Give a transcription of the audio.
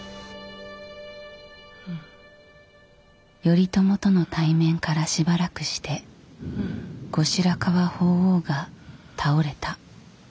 頼朝との対面からしばらくして後白河法皇が倒れた。